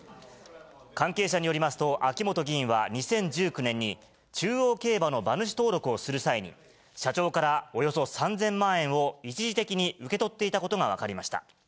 関係者によりますと、秋本議員は２０１９年に、中央競馬の馬主登録をする際に、社長からおよそ３０００万円を一時的に受け取っていたことが分かりました。